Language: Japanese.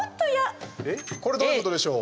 これはどういうことでしょう。